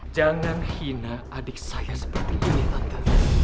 jangan hina adik saya seperti ini lantas